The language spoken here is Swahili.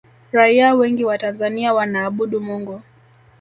raia wengi wa tanzania wanaabudu mungu